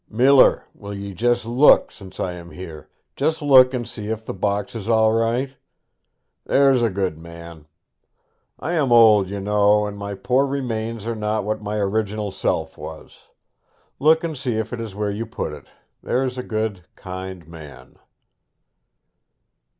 'Miller, will ye just look, since I am here just look and see if the box is all right? there's a good man! I am old, you know, and my poor remains are not what my original self was. Look and see if it is where you put it, there's a good, kind man.'